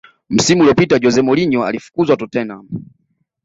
msimu uliopita jose mourinho alifukuzwa tottenham